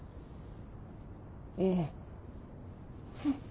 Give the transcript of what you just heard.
うん。